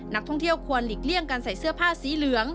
นักท่องเที่ยวควรหลีกเลี่ยงการใส่เสื้อผ้าสีเหลือง